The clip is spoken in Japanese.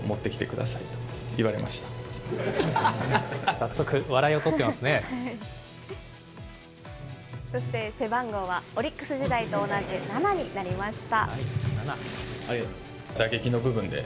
早速、そして背番号は、オリックス時代と同じ７になりました。